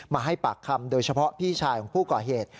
มาให้ปากคำโดยเฉพาะพี่ชายของผู้ก่อเหตุ